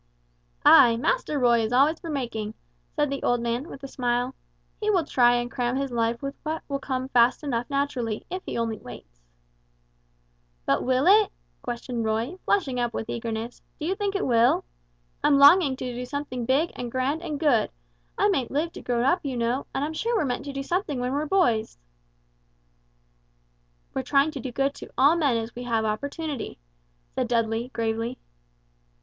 "Ay, Master Roy is always for making," said the old man with a smile; "he will try and cram his life with what will come fast enough naturally, if he only waits." "But will it?" questioned Roy, flushing up with eagerness; "do you think it will? I'm longing to do something big and grand and good; I mayn't live to grow up you know, and I'm sure we're meant to do something when we're boys." "We're trying to do good to all men as we have opportunity," said Dudley, gravely.